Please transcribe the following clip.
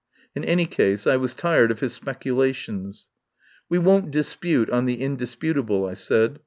In any case, I was tired of his speculations. "We won't dispute on the indisputable," I said.